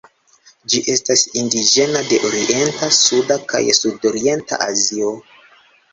Ĝi estas indiĝena de Orienta, Suda kaj Sudorienta Azio.